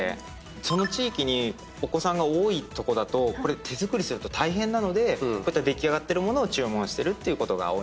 その地域にお子さんが多いとこだとこれ手作りすると大変なのでこういった出来上がってる物を注文してることが多いんですね。